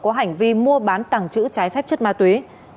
có hành vi mua bán tàng trữ trái phép chất ma túy